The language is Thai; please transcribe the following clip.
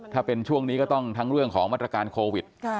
ถ้าเป็นช่วงนี้ก็ต้องทั้งเรื่องของมาตรการโควิด